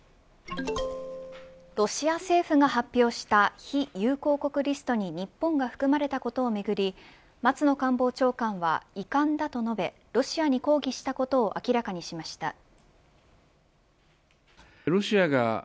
ロシア政府が発表した非友好国リストに日本が含まれたことをめぐり松野官房長官は遺憾だと述べロシアに抗議したことを明らかにしました。